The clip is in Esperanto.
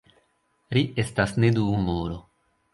Ri estas neduumulo.